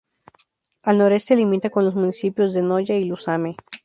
Al noreste limita con los municipios de Noya y Lousame.